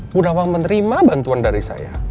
bu nawang menerima bantuan dari saya